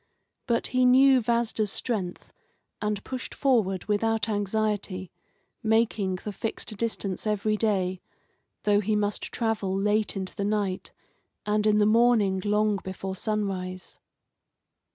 But he knew Vasda's strength, and pushed forward without anxiety, making the fixed distance every day, though he must travel late into the night, and in the morning long before sunrise.